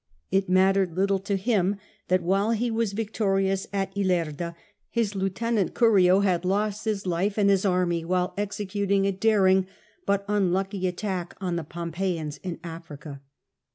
It mattered little to him that, while he was victorious at Ilerda, his lieutenant Curio had lost his life and his army while executing a daring but unlucky attack on the Pompeians in Africa.